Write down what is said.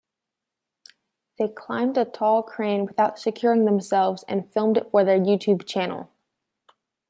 They climbed a tall crane without securing themselves and filmed it for their YouTube channel.